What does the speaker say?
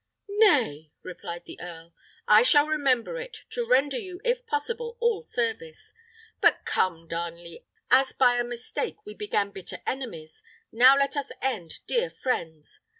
"Nay!" replied the earl. "I shall remember it to render you, if possible, all service. But come, Darnley, as by a mistake we began bitter enemies, now let us end dear friends.